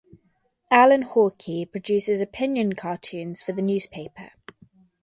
Allan Hawkey produces opinion cartoons for the newspaper.